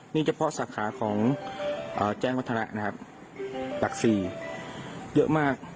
นี่เฉพาะสาขาของแจ้งวัฒระนะครับหลัก๔เยอะมาก